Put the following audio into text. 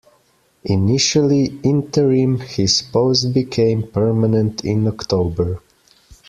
Initially interim, his post became permanent in October.